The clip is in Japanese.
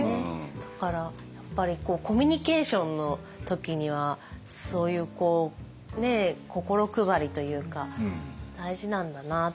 だからやっぱりコミュニケーションの時にはそういう心配りというか大事なんだなって改めて。